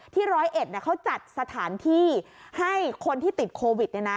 ร้อยเอ็ดเขาจัดสถานที่ให้คนที่ติดโควิด